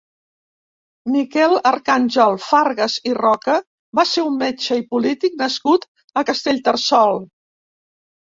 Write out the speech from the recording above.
Miquel Arcàngel Fargas i Roca va ser un metge i polític nascut a Castellterçol.